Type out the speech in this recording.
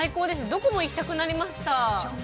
どこも行きたくなりました。